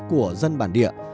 của dân bản địa